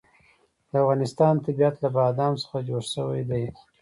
د افغانستان طبیعت له بادام څخه جوړ شوی دی.